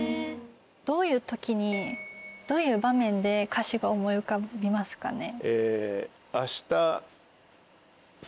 どういう時にどういう場面で歌詞が思い浮かびますかね？